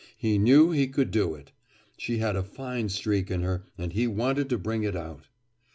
He knew he could do it. She had a fine streak in her, and he wanted to bring it out!